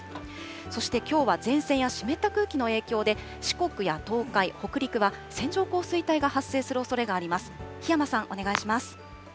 そしてきょうは前線や湿った空気の影響で、四国や東海、北陸は、線状降水帯が発生するおそれがあります。